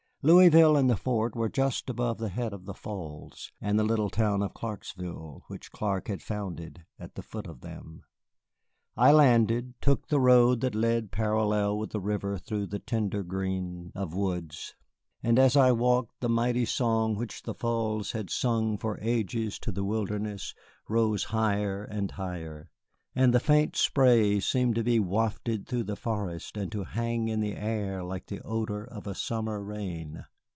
Louisville and the fort were just above the head of the Falls, and the little town of Clarksville, which Clark had founded, at the foot of them. I landed, took the road that led parallel with the river through the tender green of the woods, and as I walked the mighty song which the Falls had sung for ages to the Wilderness rose higher and higher, and the faint spray seemed to be wafted through the forest and to hang in the air like the odor of a summer rain.